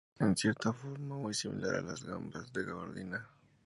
Es en cierta forma muy similar a las gambas en gabardina.